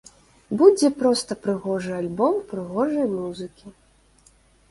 Будзе проста прыгожы альбом прыгожай музыкі.